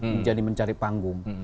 menjadi mencari panggung